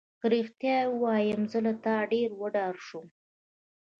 که رښتیا ووایم زه له تا ډېره وډاره شوم.